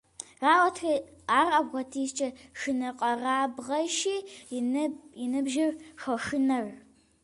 Ар апхуэдизкӏэ шынэкъэрабгъэщи, и ныбжьым щошынэр.